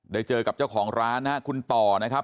เจอกับเจ้าของร้านนะครับคุณต่อนะครับ